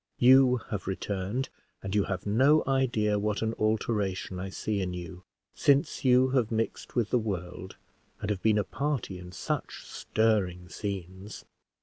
You have returned, and you have no idea what an alteration I see in you since you have mixed with the world, and have been a party in such stirring scenes."